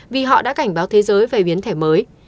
vì họ đã cảnh báo thế giới về biến thể mới